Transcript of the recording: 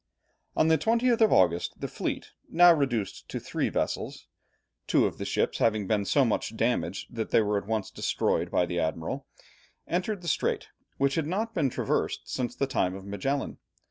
On the 20th of August, the fleet, now reduced to three vessels two of the ships having been so much damaged that they were at once destroyed by the admiral entered the strait, which had not been traversed since the time of Magellan.